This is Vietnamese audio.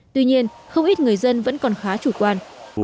tuy nhiên không ít người dân vẫn còn khá chủ quan